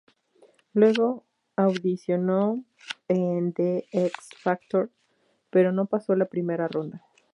Luego audicionó en "The X Factor" pero no pasó la primera ronda.